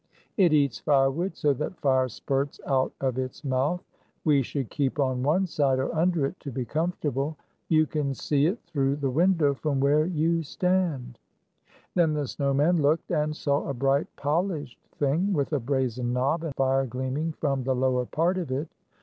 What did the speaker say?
It eats firewood, so that fire spurts out of its mouth. We should keep on one side, or under it, to be comfortable. You can see it through the window from where you stand." Then the snow man looked, and saw a bright polished thing with a brazen knob, and fire gleaming from the lower part of it.